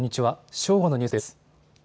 正午のニュースです。